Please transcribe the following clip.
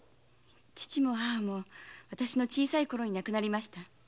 父も母も小さいころに亡くなりました。